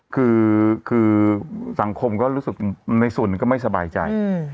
คือสังคมก็รู้สึกในส่วนก็ไม่สบายใจ